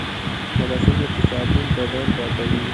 لکه څنګه چې صابون بدن پاکوي .